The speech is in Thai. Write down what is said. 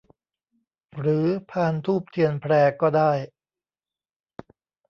หรือพานธูปเทียนแพรก็ได้